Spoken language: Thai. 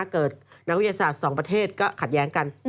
เกิดนักวิทยาศาสตร์๒ประเทศก็ขัดแย้งกัน